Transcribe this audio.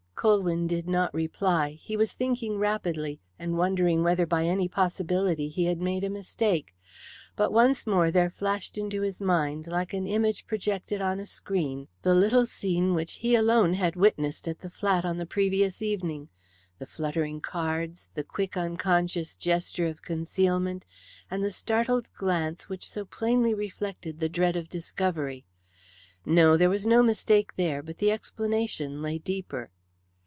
Colwyn did not reply. He was thinking rapidly, and wondering whether by any possibility he had made a mistake. But once more there flashed into his mind, like an image projected on a screen, the little scene which he alone had witnessed at the flat on the previous evening the fluttering cards, the quick, unconscious gesture of concealment, and the startled glance which so plainly reflected the dread of discovery. No! there was no mistake there, but the explanation lay deeper.